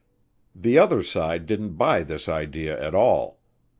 The other side didn't buy this idea at all.